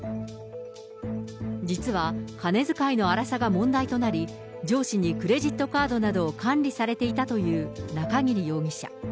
実は、金遣いの荒さが問題となり、上司にクレジットカードなどを管理されていたという中桐容疑者。